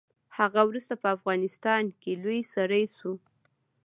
هغه وروسته په افغانستان کې لوی سړی شو.